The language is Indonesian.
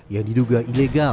yang diduga ilegal